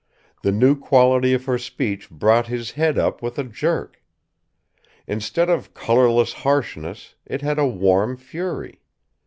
The new quality of her speech brought his head up with a jerk. Instead of colourless harshness, it had a warm fury.